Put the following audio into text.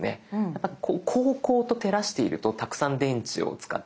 やっぱこうこうと照らしているとたくさん電池を使っています。